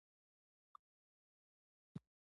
د مقصد خبره کوه !